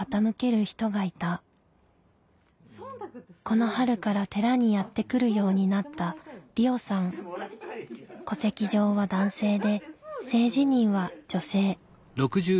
この春から寺にやって来るようになった戸籍上は男性で性自認は女性。